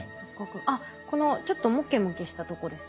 あっこのちょっとモケモケしたとこですね。